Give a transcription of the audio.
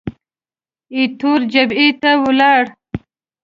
ایټور جبهې ته ولاړ.